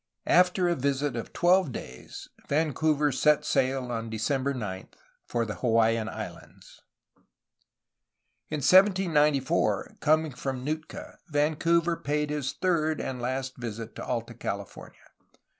After a visit of twelve days, Vancouver set sail on December 9 for the Hawaiian Islands. In 1794, coming from Nootka, Vancouver paid his third and last visit to Alta California.